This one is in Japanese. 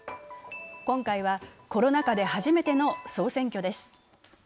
今回はコロナ禍で初めての総選挙です。